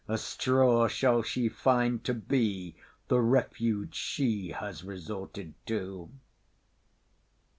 —A straw shall she find to be the refuge she has resorted to.